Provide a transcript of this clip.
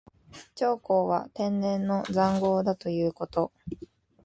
長江は天然の塹壕だということ。